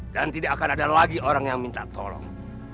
dan tidak akan ada lagi orang yang minta tolong